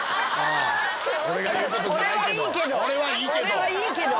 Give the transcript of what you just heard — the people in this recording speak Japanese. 俺はいいけど？